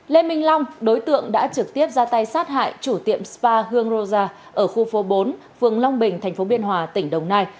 lê minh long đối tượng đã trực tiếp ra tay sát hại chủ tiệm spa hương roza ở khu phố bốn phường long bình tp biên hòa tỉnh đồng nai